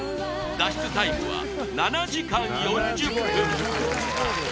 脱出タイムは７時間４０分